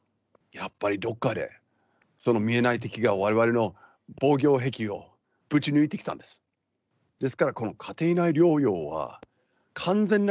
やっぱりどっかで、その見えない敵がわれわれの防御壁をぶち抜いてきたんです。